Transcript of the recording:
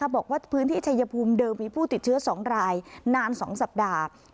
บอกว่าพื้นที่ชายภูมิเดิมมีผู้ติดเชื้อ๒รายนาน๒สัปดาห์